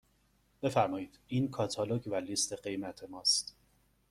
بفرمایید این کاتالوگ و لیست قیمت ماست.